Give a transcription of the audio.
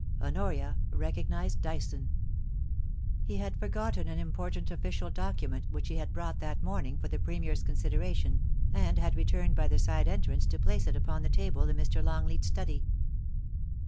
Honoria recognised Dyson. He had ' YOU SHALL BE AfV FAITH: 247 forgotten an important official document which he had brought that morning for the Premier's consideration, and had returned by the side entrance to place it upon the table in Mr. Longleat*s study.